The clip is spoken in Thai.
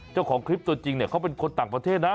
เจ้าของคลิปตัวจริงเขาเป็นคนต่างประเทศนะ